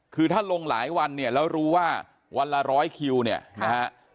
คือถ้าลงหลายวันเนี่ยแล้วรู้ว่าวันละร้อยคิวเนี่ยนะฮะ